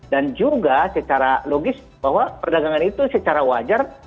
dan juga secara logis bahwa perdagangan itu secara wajar